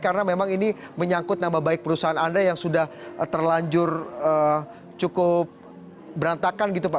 karena memang ini menyangkut nama baik perusahaan anda yang sudah terlanjur cukup berantakan gitu pak